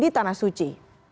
di tanah suci